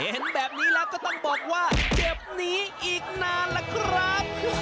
เห็นแบบนี้แล้วก็ต้องบอกว่าเจ็บหนีอีกนานล่ะครับ